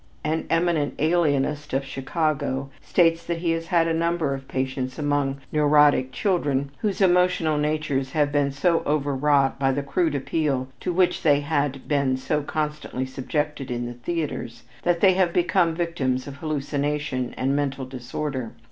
An eminent alienist of Chicago states that he has had a number of patients among neurotic children whose emotional natures have been so over wrought by the crude appeal to which they had been so constantly subjected in the theaters, that they have become victims of hallucination and mental disorder.